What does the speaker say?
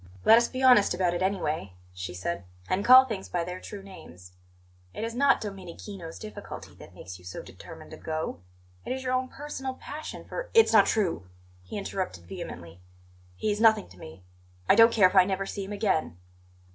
"Let us be honest about it, anyway," she said; "and call things by their true names. It is not Domenichino's difficulty that makes you so determined to go. It is your own personal passion for " "It's not true!" he interrupted vehemently. "He is nothing to me; I don't care if I never see him again."